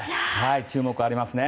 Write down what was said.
注目ありますね。